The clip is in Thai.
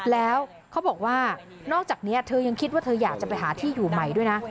แล้วเขาบอกว่านอกจากนี้เธอยังคิดว่าเธออยากจะไปหาที่อยู่ใหม่ด้วยนะ